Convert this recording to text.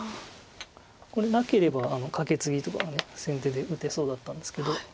これなければカケツギとか先手で打てそうだったんですけど。